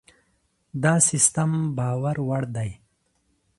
دا سیستم باور وړ دی.